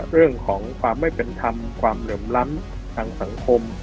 เรื่องของความไม่เป็นธรรมความเหลื่อมล้ำทางสังคม